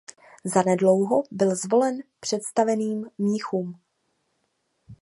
Zanedlouho byl zvolen představeným mnichů.